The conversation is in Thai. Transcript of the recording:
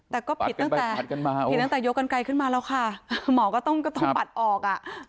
แต่ก็ผิดตั้งแต่ผิดตั้งแต่ยกกันไกลขึ้นมาแล้วค่ะหมอก็ต้องปัดออกอ่ะ